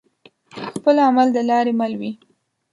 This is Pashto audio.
خپل عمل دلاري مل وي